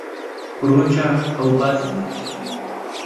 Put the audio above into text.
پر وچه اوبازي نه کېږي.